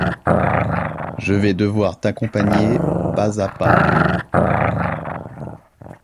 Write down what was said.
je vais devoir t'accompagner pas à pas.